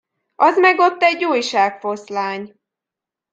Az meg ott egy újságfoszlány!